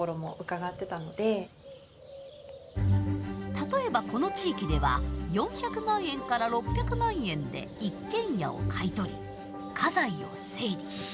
例えばこの地域では４００万円から６００万円で一軒家を買い取り家財を整理。